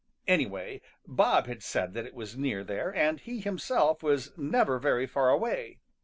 Anyway Bob had said that it was near there, and he himself was never very far away.